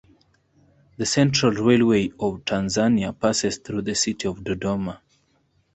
The central railway of Tanzania passes through the city of Dodoma.